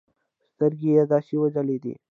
سترگې يې داسې وځلېدې.